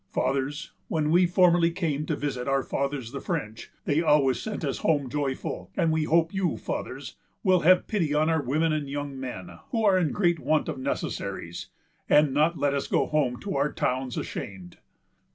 "Fathers, when we formerly came to visit our fathers the French, they always sent us home joyful; and we hope you, fathers, will have pity on our women and young men, who are in great want of necessaries, and not let us go home to our towns ashamed."